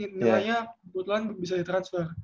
jadi nilainya kebetulan bisa di transfer